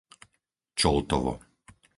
Čoltovo